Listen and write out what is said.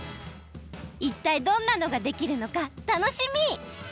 いったいどんなのができるのか楽しみ！